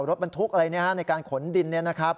รถบันทุกข์อะไรในการขนดิน